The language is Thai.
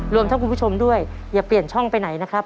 รวมทั้งคุณผู้ชมด้วยอย่าเปลี่ยนช่องไปไหนนะครับ